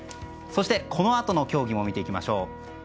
そして、このあとの競技も見ていきましょう。